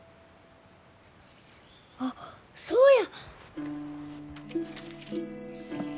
あっそうや！